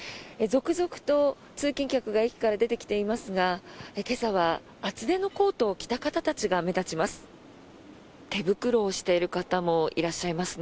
続々と通勤客が駅から出てきていますが今朝は厚手のコートを着た方たちが目立ちます。